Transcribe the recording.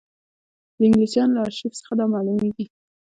د انګلیسیانو له ارشیف څخه دا معلومېږي.